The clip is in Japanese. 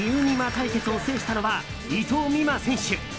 対決を制したのは伊藤美誠選手。